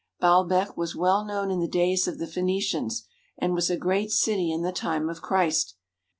Baalbek was well known in the days of the Phoenicians and was a great city in the time of Christ.